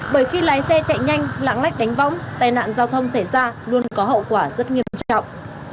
bởi khi lái xe chạy nhanh lạng lách đánh võng tai nạn giao thông xảy ra luôn có hậu quả rất nghiêm trọng